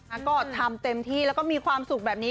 แล้วก็ทำเต็มที่แล้วก็มีความสุขแบบนี้